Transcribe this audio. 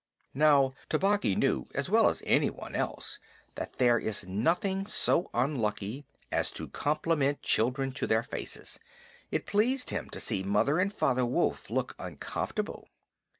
Now, Tabaqui knew as well as anyone else that there is nothing so unlucky as to compliment children to their faces. It pleased him to see Mother and Father Wolf look uncomfortable.